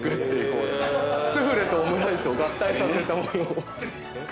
スフレとオムライスを合体させた。